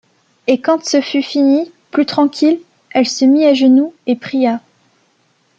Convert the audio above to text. Et quand ce fut fini, plus tranquille, elle se mit à genoux, et pria.